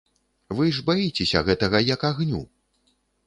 Вы ж баіцеся гэтага, як агню!